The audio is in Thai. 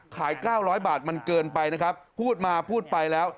๙๐๐บาทมันเกินไปนะครับพูดมาพูดไปแล้ว